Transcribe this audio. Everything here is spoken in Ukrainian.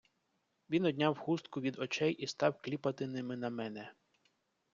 Він одняв хустку від очей і став кліпати ними на мене.